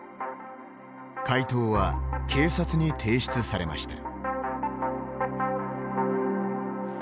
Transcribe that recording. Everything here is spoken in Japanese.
回答は、警察に提出されました。